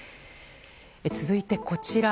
続いて、こちら。